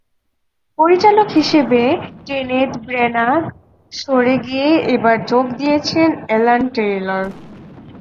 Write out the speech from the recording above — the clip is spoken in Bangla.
পরিচালক হিসেবে কেনেথ ব্র্যানাগ সরে গিয়ে এবার যোগ দিয়েছেন অ্যালান টেইলর।